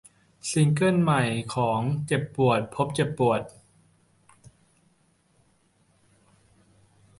ซิงเกิลใหม่ของ เจ็บปวด พบเจ็บปวด